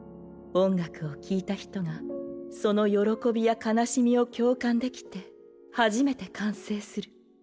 音楽を聴いた人がその喜びや悲しみを共感できて初めて完成する。